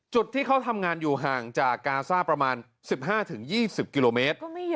จุดที่เขาทำงานอยู่ห่างจากกาซ่าประมาณ๑๕๒๐กิโลเมตร